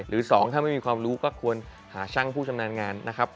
หรือ๒ถ้าไม่มีความรู้ก็ควรหาช่างผู้ชำนาญงานนะครับ